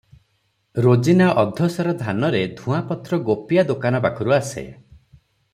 ରୋଜିନା ଅଧ ସେର ଧାନରେ ଧୂଆଁପତ୍ର ଗୋପିଆ ଦୋକାନ ପାଖରୁ ଆସେ ।